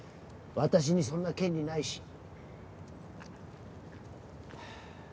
私にそんな権利ないし。